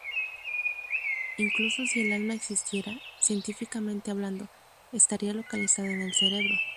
Incluso si el alma existiera, científicamente hablando, estaría localizada en el cerebro.